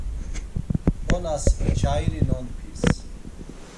Onas nçairi nonpis.